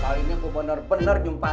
kalo kali ini kubener bener kusumpain lo